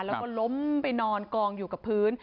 แล้วก็ล้มไปนอนกองอยู่กับพื้น